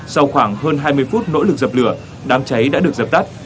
sau khoảng hơn hai mươi phút nỗ lực dập lửa đám cháy đã được dập tắt